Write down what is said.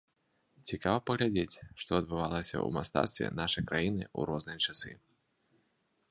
Цікава паглядзець, што адбывалася ў мастацтве нашай краіны ў розныя часы.